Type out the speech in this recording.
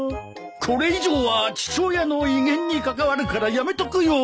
これ以上は父親の威厳に関わるからやめとくよ。